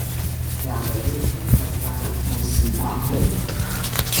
两人一同参加了开西大会。